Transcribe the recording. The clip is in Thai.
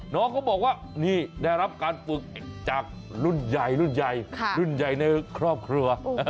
น้องเขาบอกว่านี่ได้รับการฝึกจากรุ่นใหญ่รุ่นใหญ่รุ่นใหญ่ในครอบครัว